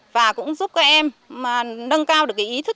và cũng giúp các em nâng cao được ý thức trách nhiệm